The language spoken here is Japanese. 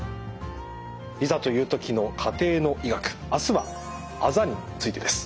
「いざという時の家庭の医学」明日はあざについてです。